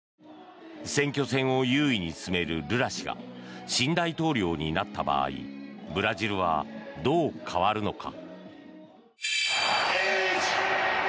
選挙戦を優位に進めるルラ氏が新大統領になった場合ブラジルは、どう変わるのか。